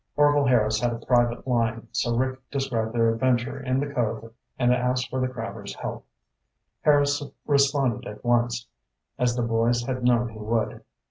Orvil Harris had a private line, so Rick described their adventure in the cove and asked for the crabber's help. Harris responded at once, as the boys had known he would.